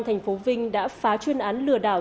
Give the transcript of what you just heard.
thành phố vinh đã phá chuyên án lừa đảo